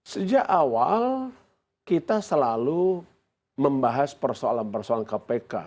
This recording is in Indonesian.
sejak awal kita selalu membahas persoalan persoalan kpk